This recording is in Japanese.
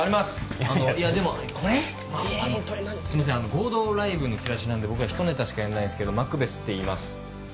合同ライブのチラシなんで僕らひとネタしかやんないんですけどマクベスっていいます。